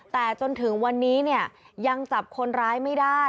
แต่จนถึงวันนี้เนี่ยยังจับคนร้ายไม่ได้